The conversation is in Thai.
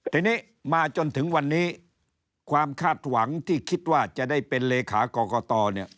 ทีนี้มาจนถึงวันนี้ความคาดหวังที่คิดว่าจะได้เป็นเลขากรกตเนี่ย